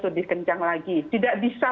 lebih kencang lagi tidak bisa